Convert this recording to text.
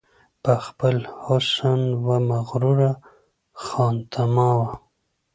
په خپل حسن وه مغروره خانتما وه